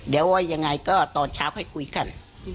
เดี๋ยวว่ายังไงก็ตอนเช้าค่อยคุยกัน